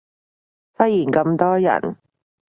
忽然咁多人